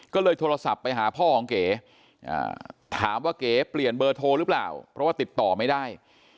ก็เลยโทรศัพท์ไปหาพ่อของเก๋ถามว่าเก๋เปลี่ยนเบอร์โทรหรือเปล่าเพราะว่าติดต่อไม่ได้